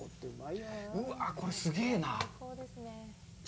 うわあ、これ、すげえなあ。